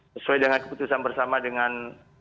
sesuai dengan keputusan bersama dengan